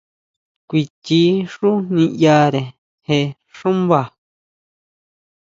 Kuichi xú niyare je xúmba?